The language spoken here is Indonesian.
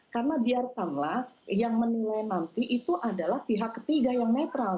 karena biarkanlah yang menilai nanti itu adalah pihak ketiga yang netral